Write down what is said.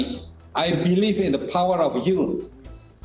saya percaya pada kekuatan kekuatan